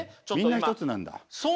みんなひとつなんだ！